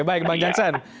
baik bang jansan